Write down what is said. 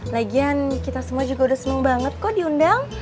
lagian kita semua juga udah seneng banget kok diundang